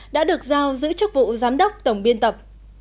đã được giao giữ chức vụ giám đốc tổng biên tập